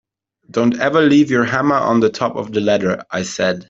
Don’t ever leave your hammer on the top of the ladder, I said.